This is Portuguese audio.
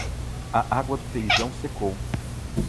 A água do feijão secou.